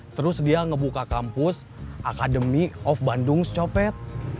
terus dia ngebuka kampus akademi off bandung copet